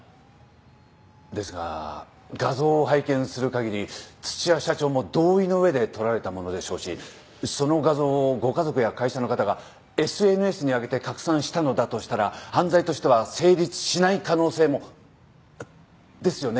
ですが画像を拝見する限り土屋社長も同意の上で撮られたものでしょうしその画像をご家族や会社の方がＳＮＳに上げて拡散したのだとしたら犯罪としては成立しない可能性も。ですよね？